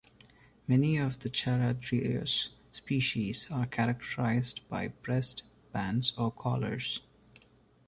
Many of the "Charadrius" species are characterised by breast bands or collars.